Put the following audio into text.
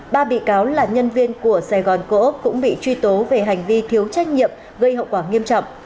ba bị cáo là nhân viên của sài gòn cô ốc cũng bị truy tố về hành vi thiếu trách nhiệm gây hậu quả nghiêm trọng